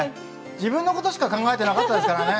自分のことしか考えてなかったですからね。